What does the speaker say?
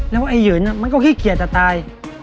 แล้วไอ้หืนมันก็ขี้เกียจจะตาย